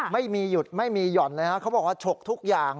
ไม่มีหยุดไม่มีหย่อนเลยฮะเขาบอกว่าฉกทุกอย่าง